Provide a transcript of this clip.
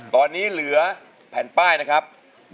ตอนนี้เหลือแพนป้ายนะครับ๑๒๔๖